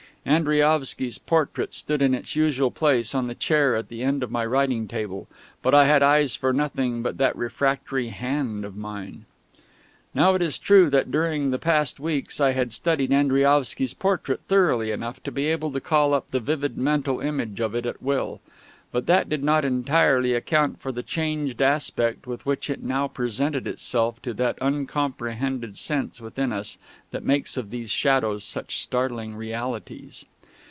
Andriaovsky's portrait stood in its usual place, on the chair at the end of my writing table; but I had eyes for nothing but that refractory hand of mine. Now it is true that during the past weeks I had studied Andriaovsky's portrait thoroughly enough to be able to call up the vivid mental image of it at will; but that did not entirely account for the changed aspect with which it now presented itself to that uncomprehended sense within us that makes of these shadows such startling realities.